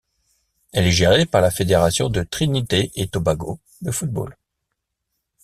Elle est gérée par la Fédération de Trinité-et-Tobago de football.